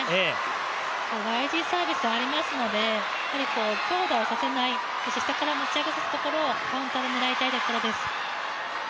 ＹＧサービスありますので、強打をさせない、そして下から持ち上げさせたところをカウンターで狙いたいです。